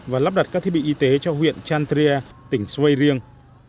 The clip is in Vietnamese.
và lắp đặt các thiết bị y tế cho huyện chantria tỉnh xoay riêng